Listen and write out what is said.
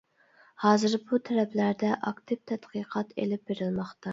ھازىر بۇ تەرەپلەردە ئاكتىپ تەتقىقات ئېلىپ بېرىلماقتا.